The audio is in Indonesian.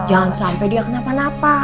jangan sampai dia kenapa napa